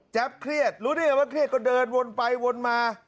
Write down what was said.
เครียดรู้ได้เลยว่าเครียดก็เดินวนไปวนมา